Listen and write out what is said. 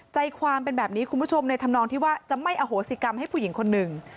ใจความเป็นแบบนี้คุณผู้ชมในธรรมนองที่ว่าจะไม่อโหสิกรรมให้ผู้หญิงคนหนึ่ง